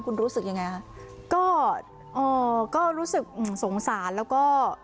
คุณรู้สึกยังไงฮะก็เอ่อก็รู้สึกสงสารแล้วก็